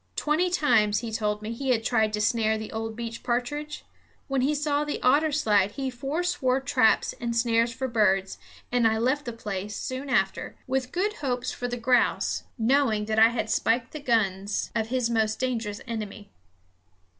Twenty times, he told me, he had tried to snare the old beech partridge. When he saw the otter slide he forswore traps and snares for birds; and I left the place, soon after, with good hopes for the grouse, knowing that I had spiked the guns of his most dangerous enemy.